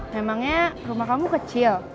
memangnya rumah kamu kecil